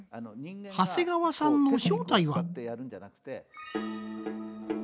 長谷川さんの正体は。